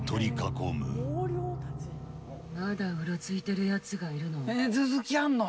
まだうろついてるやつがいる続きあんの？